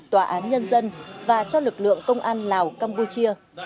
tòa án nhân dân và cho lực lượng công an lào campuchia